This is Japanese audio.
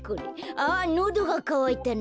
あのどがかわいたな。